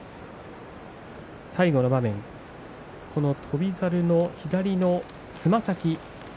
最後の場面、この翔猿の左のつま先。